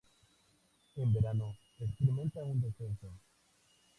En verano experimenta un descenso.